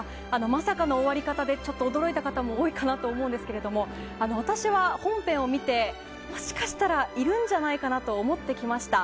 まさかの終わり方でちょっと驚いた方も多いと思うんですけど私は本編を見てもしかしたらいるんじゃないかなと思ってきました。